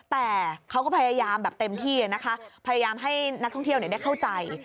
แต่เขาก็พยายามแบบเต็มที่นะคะพยายามให้นักท่องเที่ยวได้เข้าใจ